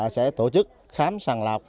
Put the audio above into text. sẽ tổ chức khám sàn lọc